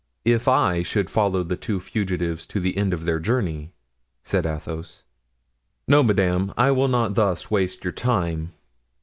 "If I should follow the two fugitives to the end of their journey?" said Athos. "No, madame, I will not thus waste your time.